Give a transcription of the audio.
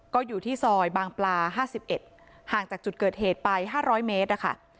ก็อยู่ที่ซอยบางปลาห้าสิบเอ็ดห่างจากจุดเกิดเหตุไปห้าร้อยเมตรอ่ะค่ะ